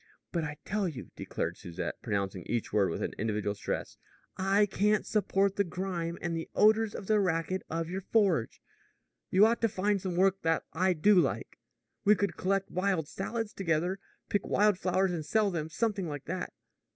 "But I tell you," declared Susette, pronouncing each word with an individual stress, "I can't support the grime and the odors and the racket of your forge. You ought to find some work that I do like. We could collect wild salads together pick wild flowers and sell them something like that."